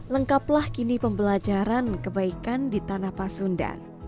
lengkaplah kini pembelajaran kebaikan di tanah pasundan